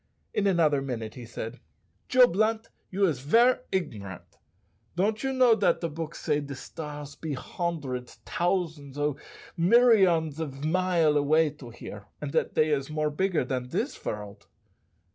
In another minute he said, "Joe Blunt, you is ver' igrant. Don't you know dat de books say de stars be hondreds, tousands oh! milleryons of mile away to here, and dat dey is more bigger dan dis vorld?"